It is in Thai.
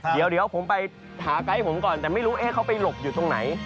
เดี๋ยวผมไปหาไกด์ผมก่อนแต่ไม่รู้เขาไปหลบอยู่ตรงไหน